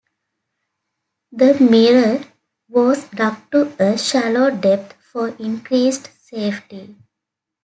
The Meare was dug to a shallow depth for increased safety.